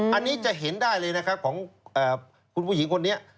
อันนี้จะเห็นได้เลยนะครับของคุณผู้หญิงคนนี้